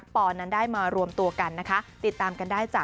ความดีที่ตอบหวังขอให้ตอบถูกเผินอย่าประวัง